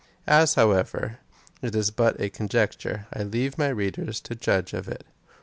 As, however, it is but a conjecture, I leave my readers to judge of it.